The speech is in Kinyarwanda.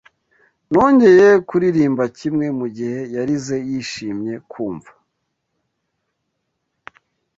Nongeye kuririmba kimwe, Mugihe yarize yishimye kumva